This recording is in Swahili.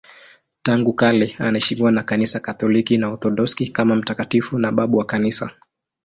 Tangu kale anaheshimiwa na Kanisa Katoliki na Waorthodoksi kama mtakatifu na babu wa Kanisa.